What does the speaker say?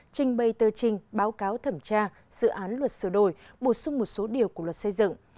trình bày tờ trình báo cáo thẩm tra dự án luật sửa đổi bổ sung một số điều của luật xây dựng